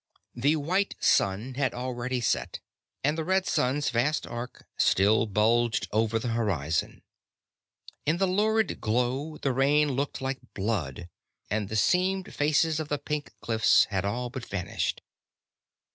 The white sun had already set and the red sun's vast arc still bulged above the horizon. In the lurid glow the rain looked like blood, and the seamed faces of the pink cliffs had all but vanished.